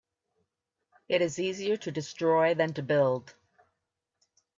It is easier to destroy than to build.